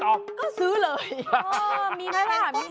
ก็ซื้อเลย